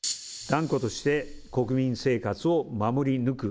断固として国民生活を守り抜く。